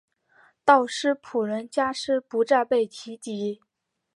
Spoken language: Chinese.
道斯普伦加斯不再被提及。